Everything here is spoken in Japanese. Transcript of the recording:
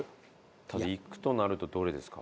ただいくとなるとどれですか？